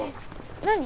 何！？